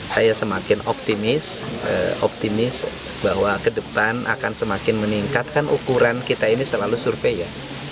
saya semakin optimis optimis bahwa ke depan akan semakin meningkat kan ukuran kita ini selalu survei ya